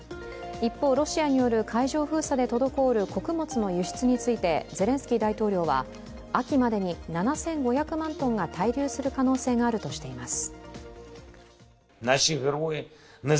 一方、ロシアによる海上封鎖で滞る穀物の輸出についてゼレンスキー大統領は、秋までに７５００万トンが滞留する可能性があるとしています。